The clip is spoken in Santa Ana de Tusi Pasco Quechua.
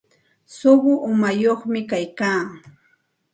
Suqu umañaq kayka.